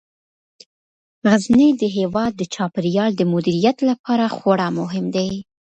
غزني د هیواد د چاپیریال د مدیریت لپاره خورا مهم دی.